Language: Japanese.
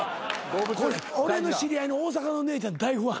俺の知り合いの大阪の姉ちゃん大ファン。